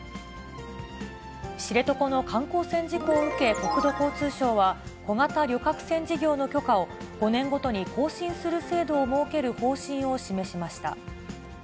知床の観光船事故を受け、国土交通省は、小型旅客船事業の許可を５年ごとに更新する制度を設ける方針を示しました。